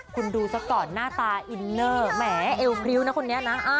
คุณดูซะก่อนหน้าตาอินเนอร์แหมเอวพริ้วนะคนนี้นะ